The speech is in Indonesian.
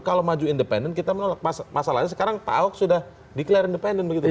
kalau maju independen kita menolak masalahnya sekarang pak ahok sudah declare independen begitu ya